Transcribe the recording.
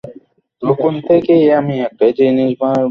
তখন থেকে আমি একটাই জিনিস বার বার নিজেকে বোঝানোর চেষ্টা করেছি।